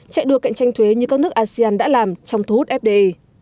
chạy đua cạnh tranh thuế như các nước asean đã làm trong thu hút fdi